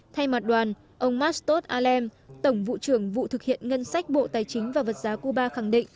thay mặt đoàn ông mastot alem tổng vụ trưởng vụ thực hiện ngân sách bộ tài chính và vật giá cuba khẳng định